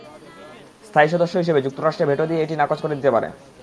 স্থায়ী সদস্য হিসেবে যুক্তরাষ্ট্র ভেটো দিয়ে এটি নাকচ করে দিতে পারে।